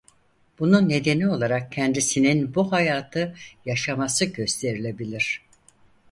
Bunun nedeni olarak kendisinin bu hayatı yaşaması gösterilebilir.